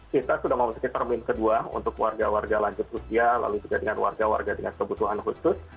kita sudah memasuki termin kedua untuk warga warga lanjut usia lalu juga dengan warga warga dengan kebutuhan khusus